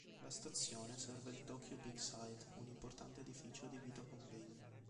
La stazione serve il Tokyo Big Sight, un importante edificio adibito a convegni.